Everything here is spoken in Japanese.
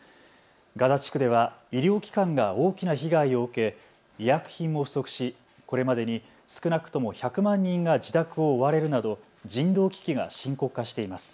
ガザ地区では医療機関が大きな被害を受け医薬品も不足しこれまでに少なくとも１００万人が自宅を追われるなど人道危機が深刻化しています。